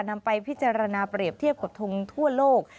นำไปพิจารณาเปรียบเทียบกับทงทั่วโลก